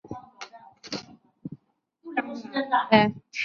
塞提一世。